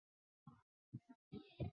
出生于北海道札幌市。